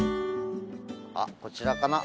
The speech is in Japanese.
あっ、こちらかな？